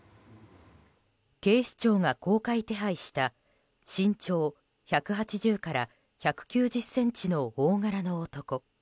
警視庁が公開手配した身長１８０ｃｍから１９０ｃｍの大柄の男。